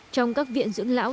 trong các viện dưỡng lão